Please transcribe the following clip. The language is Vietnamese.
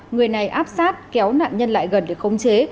người này áp sát kéo nạn nhân lại gần để khống chế